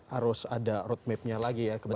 harus ada road map nya lagi ya kembali